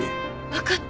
わかった。